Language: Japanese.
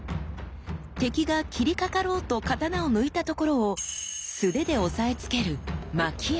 敵が斬りかかろうと刀を抜いたところを素手で押さえつけるああ！